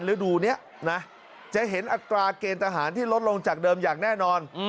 ฤดูนี้นะจะเห็นอัตราเกณฑ์ทหารที่ลดลงจากเดิมอย่างแน่นอน